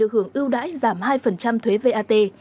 hữu đãi giảm hai thuế vat